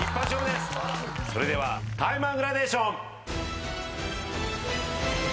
それではタイマングラデーション。